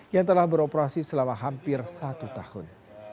yang telah beroperasi selama hampir satu tahun